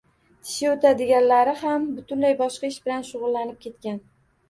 “Tishi o‘tadiganlari” ham butunlay boshqa ish bilan shug‘ullanib ketgan.